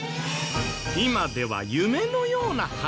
今では夢のような話。